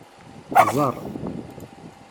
Ẓer.